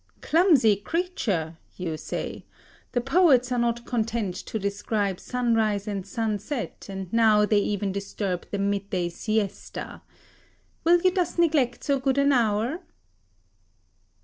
"Clumsy creature!" you say. "The poets are not content to describe sunrise and sunset, and now they even disturb the midday siesta. Will you thus neglect so good an hour?"